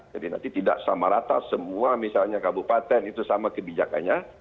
jadi nanti tidak sama rata semua misalnya kabupaten itu sama kebijakannya